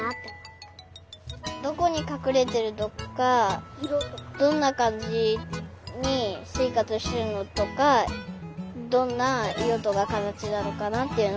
どこにかくれてるとかどんなかんじにせいかつしてるのとかどんないろとかかたちなのかなっていうのがよくわかりました。